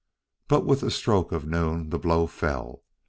But with the stroke of noon the blow fell.